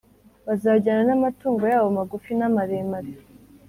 Bazajyana n’amatungo yabo magufi n’amaremare,